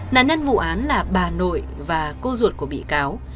nạn nhân vụ án là bà nội và cô ruột của bị cáo